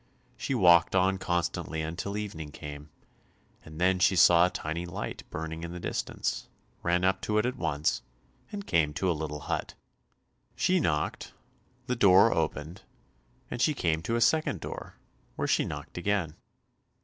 She walked on constantly until evening came, and then she saw a tiny light burning in the distance, ran up to it at once, and came to a little hut. She knocked, the door opened, and she came to a second door, where she knocked again.